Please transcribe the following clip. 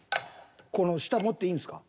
この下持っていいんですか？